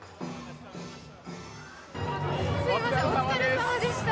すみません、お疲れさまでした。